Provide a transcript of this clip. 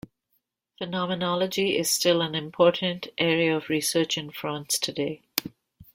Phenomenology is still an important area of research in France today.